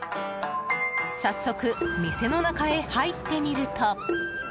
早速、店の中へ入ってみると。